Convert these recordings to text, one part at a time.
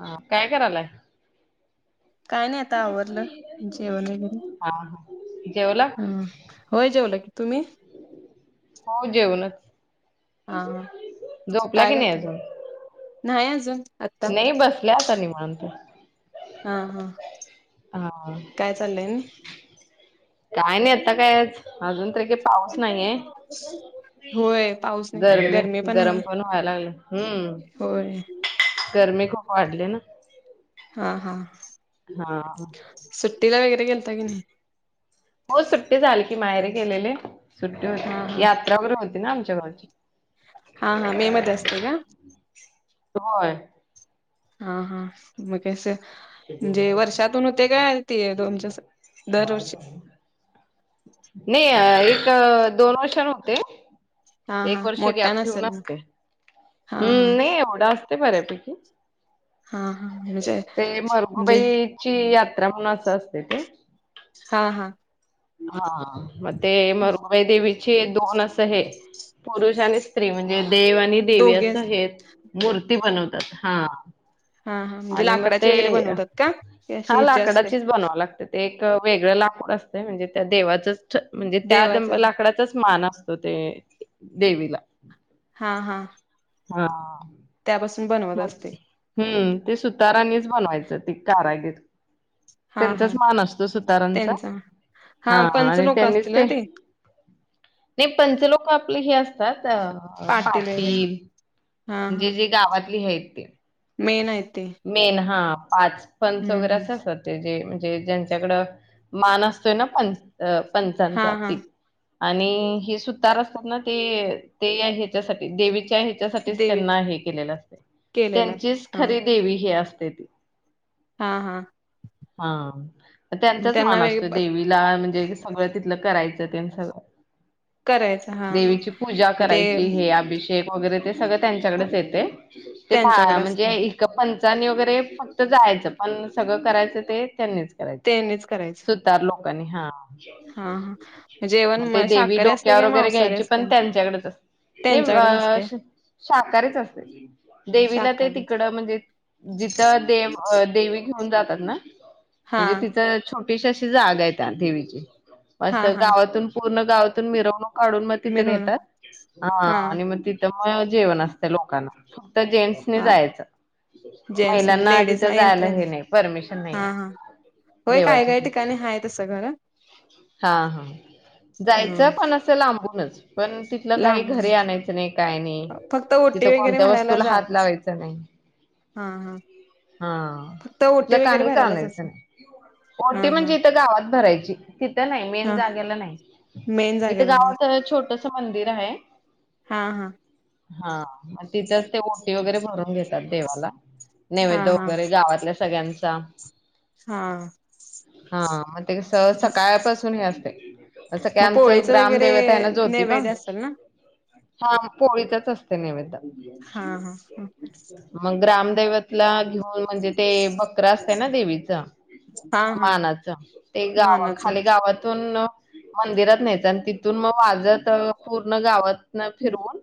हा काय करायलाय? काय नाही आता आवरलं जेवण वगैरे हा होय जेवलं की [unintelligible] तुम्ही? हो जेवलच. हा हा झोपला काय की नाही करताय अजून? नाही अजून. आत्ता नाही बसल्या आता नि मात हा हा काय चाललंय न. काय नाही आता काय अजून तर पाऊस नाहीये होय पाऊस नाही गरमी आहे गरम पण व्हाय लागले. हम्म. होय गरमी खूप वाढली ना. हा हा. हा. सुट्टीला वगैरे घेलता की नाही. हो सुट्टी झाली की मायरे गेलेले. सुट्टी हा होते हा यात्रा वगरे होती नाम [unintelligible] हा हा मेहमत असते का? सय. हा हा मगगस नाही ते तुमच्या स- दरवर्षी एक. एक दोन वर्षान होते. हा हा एक वर्ष मोठ्या गॅप ठेवून नसेल मग असते. हा हा. हम्म नाही एवढा असते ते बरपैकी हा हा म्हणजे म्हणजे रमणास असते ते. हा हा. हा. मे मरगूबाई देवी. हे दोन अस हे, पुरुष आणि स्त्री म्हणजे देव आणि देवी दोघे असं अस हे मूर्ती बनवतात. हा, हा हा म्हणजे आणि मग, लाकडाचे ते वगैरे बनवतात का? की अशी हा.. हिची असते लाकडाचीच बनवावी लागते ते, वेगळं लाकूड असत. म्हणजे त्या देवाचं. म्हणजे त्या देवाच दं लाकडाचाच मान अस ते देवीला. हा हा. हा. त्यापासून बनवत मग असते. हम्म ते सुतारांनीच बनवायचं ते कारागीर. हा त्यांचाच हा मान असतो सुतारांचा, त्यांचा हा पंच आणि लोक त्यांनीच असतील ना ते. ते पंच लोक आपले हे असतात. अ पाटील, हा हा म्हणजे जे गावात. [unintelligible] मेन आहे तेे, पाच. पंच वगैरे असे असतात ते जे. जे ज्यांच्याकड मान असतोय. ना पण अ हा हा पंचांचाती. आणि हे सुतार असताना ते ते हेच्यासाठी देवी त्या हेच्यासाठी देवीच त्यांना हे केलेलं, असतंय केलेलं त्यांचीच हा खरी देवी ही असते. तेे ते. हा हा. हा. मग त्यांनाचं त्यांना मान असतो वेग देवीला म्हणजे सगळ तिथलं करायचं ततेन सगळं, करायचं हा हा देवीची पूजा मग ते करायची हे अभिषेक टेप वगैरे ते सगळ त्यांच्याकडचं येतय ते पा त्यांच्याकडे म्हणजे असतय इथ पण. त्यांनी वगैरे फक्त जायचं पण सगळं करायचं ते त्यांनीच करायच त्यांनीच करायचं सुतार लोक लोकांनी हा हा हा मग ते जेवण देवी शाकाहारी असते डोक्यावर काय वगैरे मांसाहारी घ्यायची पण असते? त्यांच्याकडेच त्यांच्याकडेच असते असतय [unintelligible] शाकाहारीच असतय देवीला ते शाकाहारी तिकड म्हणजे जिथं देव अह देवी घेऊन जातात ना हा म्हणजे तिथं छोट स्पेशल अशी जागा आहे त्या देवीची हा असं हा गावातून पू पूर्ण गावातून मिरवणूक काढून मग तिथं मिरवणूक नेतात हा आणि मग तिथ [unintelligible] जेवण असतय लोकांना तर जेंट्सनी हा जायचं जेंट्सनी महिलांना लेडीज तिथं ना जायला एंट्री हे नाही परमिशन हा नाहीये हा होय काय देवाच्या काय तिथ. ठिकाणी हाय तसं खरं हा हा. जायच हम्म पण असं लांबूनच पण तिथलं काही लांब घरी आणायचं नाही काय नाही फक्त ओटी तिथं वगैरे कोणत्याही भरायला वस्तूला हात जात अस लावायच नाही. हा हा हा, फक्त तिथलं ओटी वगैरे काहीच भरायलाच आणायचं असं नाही. हा ओटी हा म्हणजे इथ गावात भरायची. तिथं नाही मेन हा जागेला नाही मेन इथं जागेला नाही गावाकड छोट छोटस मंदिर आहे हा हा. हा मग तिथेच ते ओटी वगैरे भरून घेतात देवाला हा नैवेद्य हा वगैरे गावातल्या सगळ्यांचा हा. हा म ते कस सकाळपासून हे असतय असं काय मग आमचं पोळीच वगैरे ग्रामदैवत आहे ना जोतिबा नैवेद्य असेल ना हा पोळीचाच अस तो नैवेद्य हा हा मग ग्रामदेवतला घेऊन म्हणजे ते बकर असतय ना देवीच हा हा मानाच ते गावा मानाचा खाली गावातून मंदिरात न्यायच आणि तिथून मग वाजत पूर्ण गावात न फिरवून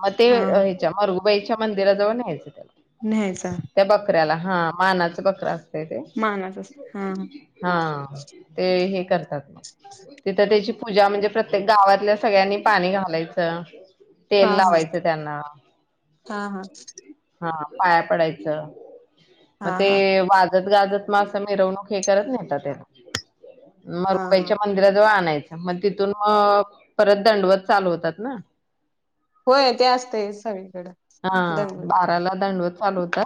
म ते हा ह्याच्यावर [unintelligible] च्या मंदिराजवळ न्यायचं त्याला. न्यायचं त्या बकऱ्याला हा मानाच बकरा असत मानाचा असत. हा हा ते हे करतात तिथ त्याची पूजा म्हणजे प्रत्येक गावातल्या सगळ्यांनी पाणी घालायचं. हा लावायचं त्यांना हा हा हा पाया पडायचं. म हा ते हा वा वाजत गाजत म अस मिरवणूक हे करत न्हेतात त्याला हा हा मरगुबाईच्या मंदिराजवळ आणायचं. म तिथून मग परत दंडवत चालू होतात ना होय ते असतय सग हा बाराला दंडवत आणून का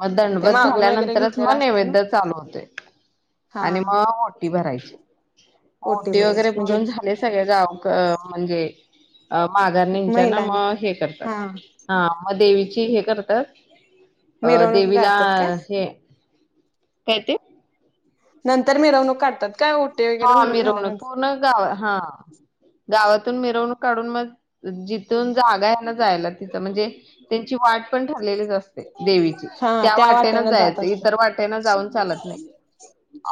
मग ते दंडबत मागून वगैरे झाल्यानंतरच घेतलेलं मग असतात ना नैवेद्य चालू होतय हा आणि मग ओटी भरायची ओटी वगैरे भरायची म्हणजे भरुन झाले सगळे गावक म्हणजे अआ माघारणींच्या ना महिलांनी मग हे करतात. हा हा मग देवीची हे करत्यात अ मिरवणूक देवीला काढतात काय हे काय ते नंतर मिरवणूक काढत्यात हा मिरवणूक पूर्ण गाव हा गावातून मिरवणूक काढून मग जिथून जागाय ना जायला तिथं म्हणजे त्यांची वाट पण ठरलेलीच असत्या देवीची हा त्या वाटेनच वाटेन जात जायचं असते इतर वाटेन जाऊन चालत नाही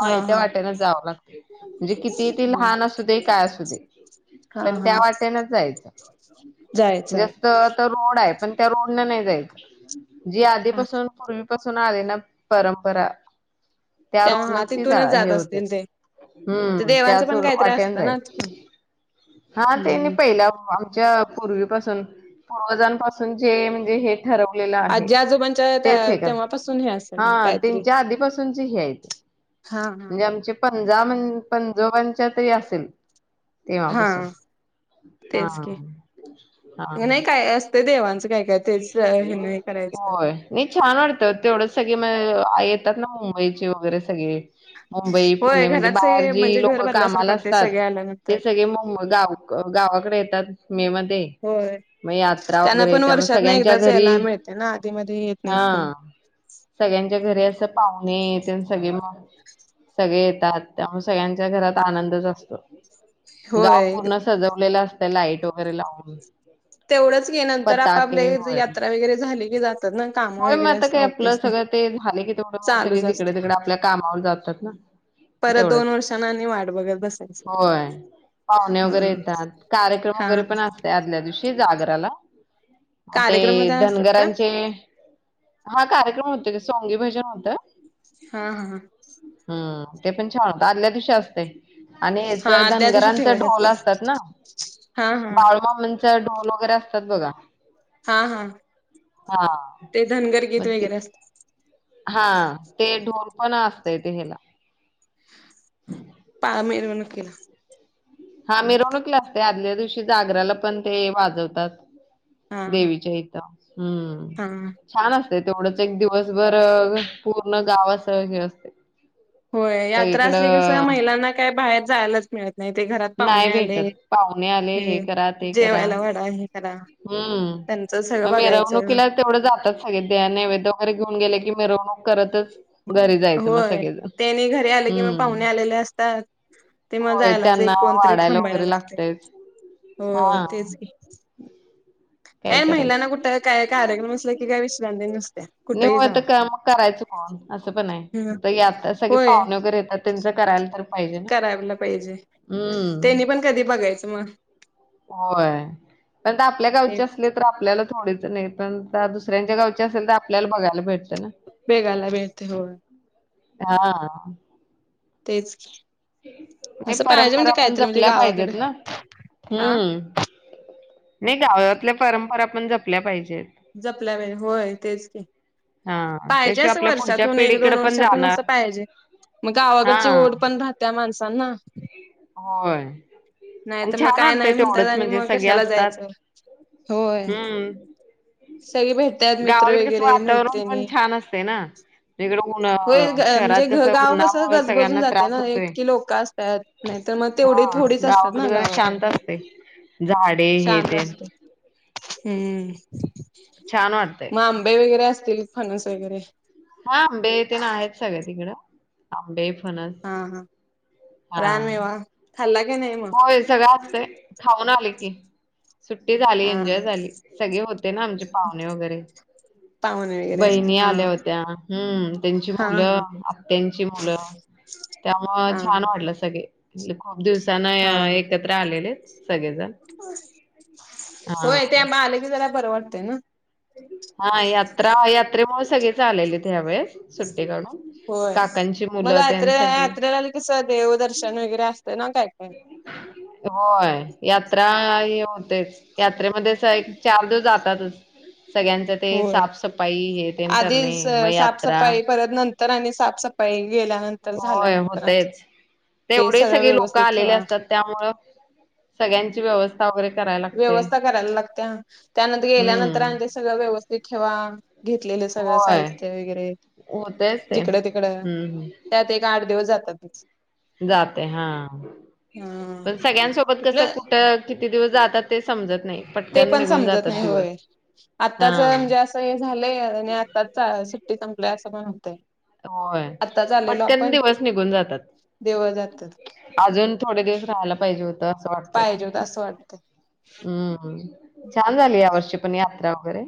हा आल्या त्या हा वाटेनच जावं लागत. म्हणजे किती ते हा लहान असू दे काय. असू दे. हा पण त्या हा वाटेनच जायचं. जायचं जस्त तर रोड आहे पण त्या रोड न नाही जायच जी हा आधीपासून पूर्वी पासून आली ना परंपरा त्या हा रोडनच ती जा तिथूनच हे जात होते. असतील ते ते हम्म देवांचं त्याच पण काहीतरी वाटेन असतं ना जायच तिथून. हा तेनी हम्म पहिला जे पूर्वीपासून पूर्वजांपासून जे म्हणजे हे ठरवलेल आहे, आजी तेच आजोबांच्या हे करतात. तेव्हापासून हे असेल ना हा काहीतरी त्यांच्या आधीपासूनच हे हाईत. हा हा म्हणजे आमचे, पंजा पंजोबांच्या तरी असेल. हा तेव्हापासून. हा तेच की हा हा. नाही, काय असतय देवानच. होय नाही. छान वाटत तेवढं, सगळ मग आहेत. येतात. ना मुंबईचे वगैरे सगळे मुंबई होय पुणे म्हणजे घराच बाहेर जी म्हणजे लोक घर भरल्यासारखं कामाला वाटते असतात. सगळे आल्यानंतर ते सगळे मुंबई गावाकडे येतात. मे मध्ये मग यात्रा वगैरे त्यामुळ सगळ नाही. एकदाच यायला मिळतय ना आधी मधी येत नाहीत. कोण मग घरी अस पाहुणे तेन सगळी सगळे येतात. त्यामुळे सगळ्यांच्या घरात आनंदच असतो. गाव होय पूर्ण सजवलेलं, लाईट वगैरे लावून, तेवढंच घे नंतर आता हे होय, काम होय मग वगैरे आता अस काय, आपलं ऑफिस सगळं ते झाले कि, तेवढ सगळे चालूच जिकडे असते तिकडे आपल्या कामावर जातात. परत दोन तेवढच वर्षांना आणि वाट बघत बसायच होय पाहुणे हा वगैरे येतात. कार्यक्रम हा वगैरे पण असते. आदल्या दिवशी जागराला मग कार्यक्रम ते तेन असतात का धनगरांचे हा, कार्यक्रम होते. सोंगी भजन होत. हा हा हम ते पण छान होत आदल्या दिवशी असते. आणि याच हा त्या दिवशी धनगरांचा ठेवत ढोल असते असतात. ना हा हा बाळूमामाच ढोल वगैरे असतात बघा, हा हा हा ते धनगर गीत मग ती वगैरे असत. हा ते ढोल पण असतय, ते हेला [unintelligible] केला. हा मिरवणूकला असते. आदल्या दिवशी जागराला पण ते वाजवतात. हा हा देवीच्या हित हम्म, हा छान असत. तेवढंच, एक दिवसभर पूर्ण गावाचं हे असते. होय, यात्रा असली कस सगळीकडं महिलांना काय बाहेर, जायलाच मिळत. नाही ते घरात नाही पाहुणे आले भेटत पाहुणे आले हे करा ते करा, जेवायला वाढा हे करा हम्म त्यांचं सगळं मग बघायचं मिरवणुकीला तेवढं जातात. सगळे नैवेद्य वगैरे घेऊन गेले की, मिरवणूक करतच घरी जायचं मग होय सगळेजण त्यानी घरी आले किंवा हम्म पाहुणे आलेले असतात. ते मग होय जायलाच. त्यांना कोणतरी वाढायला थांबायला वगैरे लागतय लागतेच, हो हा तेच की काय महिलांना कुठं काय कार्यक्रम असला कि काय विश्रांती नसतेया. निवांत काम करायचं कोण अस पण आहे बाई आता सगळे होय पाहुणे वगैरे येतात त्याचं करायला तर पाहिजे ना करायला पाहिजे हम त्यांनी पण कधी बघायचं मग होय आपल्या ते गावचे असले आपल्याला थोच नाही पण दुसऱ्यांच्या गावची असेल तर आपल्याला बघाला भेट बेगाला बेळते हो. हा. तेच की. नाही असं पाहिजे म्हणजे परंपरा पण काहीतरी म्हणजे जपल्या गावाकडे पाहिजेत ना? हा हं नाही गावातल्या परंपरा पण जपल्या पाहिजे जपल्या वेळ होय तेच ते हा पाहिजे त्याशिवाय अस आपल्या पुढच्या वर्षातून एक पिढीकडे दोन पण वर्षातून असं जाणार पाहिजे मग हा गावाकडची ओढ पण राहत्या माणस सांना होय. नाही आणि तर मग छान काय वाटतंय नाही म्हणतात तेवढंच आणि म्हणजे मग सगळे कशाला असतात जायचं होय हम्म सगळे भेटतात मित्र गावाकडे कसं वगैरे वातावरण पण मैत्रिणी छान असते ना. इकडं ऊन होय शहरात म्हणजे कसं गाव कस उन्हामुळे गजबजून सगळ्यांना जातय त्रास ना होतोय. एक कि लोक असत नाही तर मग तेवढी थोडीच अस म्हणजे कसं शांत असते. झाडे हे ते हम छान वाटतय. म आंबे वेगरे असतील. फनस वैगरे, हा आंबे तेन आहेत सगळे तिकडं आंबे फ फणस, हा हा हा रानमेवा खाल्ला की नाही मग होय सगळं असतंय. खाऊन आले की. सुट्टी झाली हा एन्जॉय हा झाली. सगळे होते ना आमचे पाहुणे वगरे पाहुणे वगैरे बहिणी असतील हा आल्या होत्या, हं त्यांची हा मुलं, हा आत्यांची मुलं त्यामुळ हा छान वाटलं सगळे नले खूप दिवस त्यान हा य हा एकत्र आलेलेत. हा होय ते आंबा आलं की जरा बरं वाटतय ना? हा यात्रा यात्रेमुळे सगळेच आलेलेत ह्या वेळेस सुट्ट होय मग त्यां यात्रे सगळी यात्रेला कस देव दर्शन वेगरे असतं ना काय काय. होय. यात्रा हे होतेच यात्रेमध्ये कस एक चार दिवस जातातच सगळ्यांचं ते होय. साफसफाई हे तेन करणे म यात्रा. तर आणि साफसफाई गेल्यानंतर होय झाल्यानंतर आणि होतयच ते एवढे सगळं सगळे लोक व्यवस्थित आलेले ठेवा असतात त्यामुळ सगळ्यांची व्यवस्था वगरे व्यवस्था करायला लागत्या त्यानंत गेल्यानंतर हम्म आणि ते सगळं व्यवस्थित ठेवा घेतलेलं सगळं होय साहित्य वेगरे होतयच ते जिकड तिकड हम्म त्यात एक आठ दिवस जात त्यातच जातय हा हा. पण सगळ्यांसोबत कसं कुठलं कुठं कित किती दिवस जातात ते समजत नाही ते पटकन पण निघून समजत जातात नाही दिवस होय हा आताच म्हणजे असं हे झालंय आणि आताच सुट्टी संपलाय अस पण होतंय होय आत्ताच आलेलो पटकन आपण दिवस निघून जातात, देवळ जातात अजून थोडे दिवस राहायला पाहिज होते तस वाटते पाहिजे होत म असं वाटतंय. हम्म छान झाली या वर्षी पण यात्रा वगैरे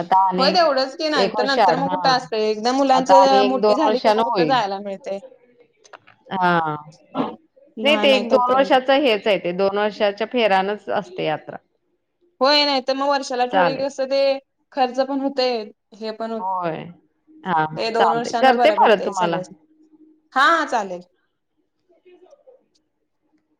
आता हो अनेक तेवढंच की नाही एक तर वर्ष नंतर आड मग हा कुठं असतंय एकदा मुलांच आणि एक मोठी दोन झाली की वर्षान मग कुठं होईल, जायला मिळतंय. हा नाही लहान ते आहे एक दोन तोपर्यंत वर्षाच हेच आहे ते दोन वर्षाच्या फेरानच असते यात्रा होय नाही तर मग वर्षाला ठेवली की चालेल अस ते खर्च पण होतय हे पण होय. हां हां हे दोन चालतंय. वर्षांना करते बरं पडत परत हे तुम्हाला. सगळ्यासनी हा चालेल